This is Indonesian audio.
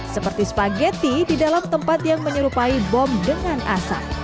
seperti spageti di dalam tempat yang menyerupai bom dengan asap